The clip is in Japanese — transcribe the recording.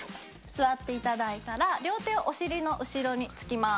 座っていただいたら両手をお尻の後ろにつきます。